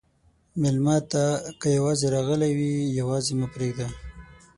مېلمه ته که یواځې راغلی وي، یواځې مه پرېږده.